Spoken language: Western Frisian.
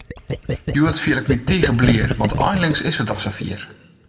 Hjoed fiel ik my tige blier, want einlings is it dan safier!